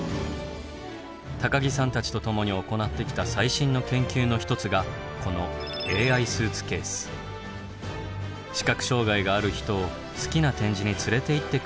高木さんたちと共に行ってきた最新の研究の一つがこの視覚障害がある人を好きな展示に連れていってくれるのです。